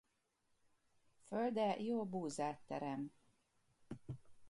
Földe jó buzát terem.